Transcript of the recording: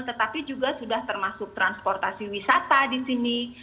tetapi juga sudah termasuk transportasi wisata di sini